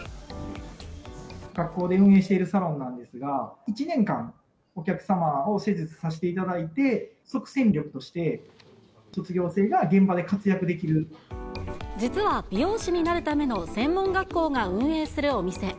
学校で運営しているサロンなんですが、１年間、お客様を施術させていただいて、即戦力として、実は、美容師になるための専門学校が運営するお店。